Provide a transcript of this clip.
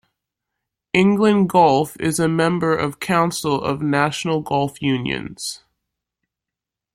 England Golf is a member of Council of National Golf Unions.